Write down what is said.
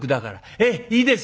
「ええいいです」。